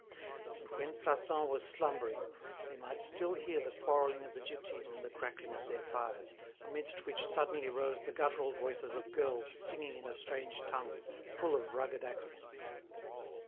And when Plassans was slumbering, they might still hear the quarrelling of the gipsies and the crackling of their fires, amidst which suddenly rose the guttural voices of girls singing in a strange tongue, full of rugged accents.